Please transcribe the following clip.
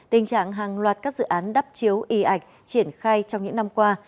tình trạng hàng loạt các dự án đắp chiếu y ảnh triển khai trong những năm qua